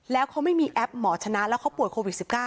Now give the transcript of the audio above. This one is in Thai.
แล้วเขาไม่มีแอปหมอชนะแล้วเขาป่วยโควิด๑๙